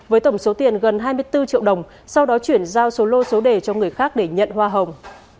với tổng số tiền gần hai mươi bốn triệu đồng sau đó chuyển giao số lô số đề cho người khác để nhận hoa hồng